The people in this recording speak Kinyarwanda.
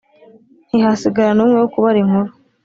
ntihasigara n'umwe wo kubara inkuru